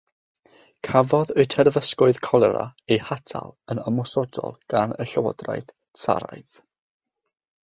Cafodd y Terfysgoedd Colera eu hatal yn ymosodol gan y llywodraeth tsaraidd.